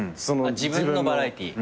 自分のバラエティー？